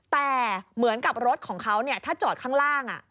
แต่เหมือนกับรถของเขาถ้าจอดข้างล่าง